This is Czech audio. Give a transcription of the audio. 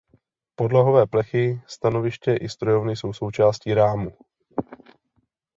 Podlahové plechy stanoviště i strojovny jsou součástí rámu.